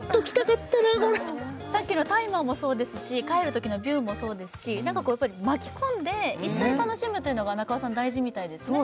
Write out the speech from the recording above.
これさっきのタイマーもそうですし帰るときのビューンもそうですし何か巻き込んで一緒に楽しむというのが大事みたいですね